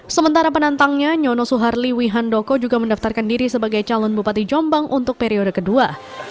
sementara penantangnya nyono suharli wihandoko juga mendaftarkan diri sebagai calon bupati jombang untuk periode kedua